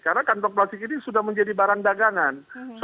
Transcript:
karena kantong plastik ini sudah menjadi barang dagangan